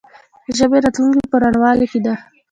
د ژبې راتلونکې په روڼوالي کې ده.